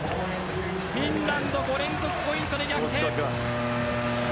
フィンランド５連続ポイントで逆転。